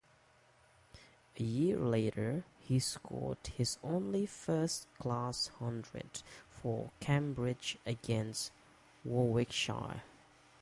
A year later, he scored his only first-class hundred, for Cambridge against Warwickshire.